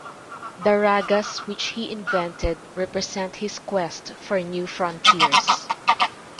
The ragas which he invented represent his quest for new frontiers.